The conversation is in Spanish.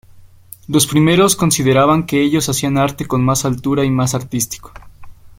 Los primeros consideraban que ellos hacían arte con más altura y más artístico.